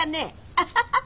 アハハハ。